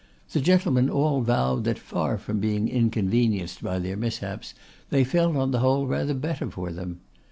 The gentlemen all vowed that, far from being inconvenienced by their mishaps, they felt, on the whole, rather better for them.